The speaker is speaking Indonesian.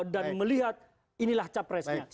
dan melihat inilah capresnya